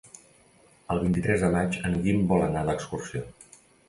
El vint-i-tres de maig en Guim vol anar d'excursió.